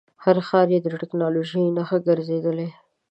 هر ښار یې د ټکنالوژۍ نښه ګرځېدلی.